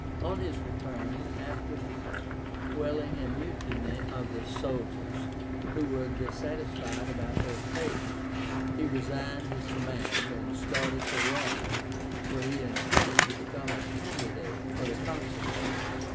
On his return, after quelling a mutiny of the soldiers, who were dissatisfied about their pay, he resigned his command, and started for Rome, where he intended to become a candidate for the consulship.